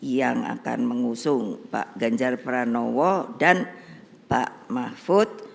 yang akan mengusung pak ganjar pranowo dan pak mahfud